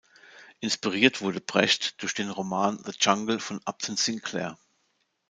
Inspiriert wurde Brecht durch den Roman "The Jungle" von Upton Sinclair.